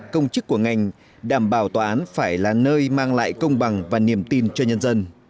công chức của ngành đảm bảo tòa án phải là nơi mang lại công bằng và niềm tin cho nhân dân